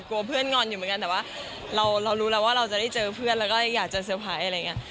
เพื่อนงอนอยู่เหมือนกันแต่ว่าเรารู้แล้วว่าเราจะได้เจอเพื่อนแล้วก็อยากจะเตอร์ไพรส์อะไรอย่างนี้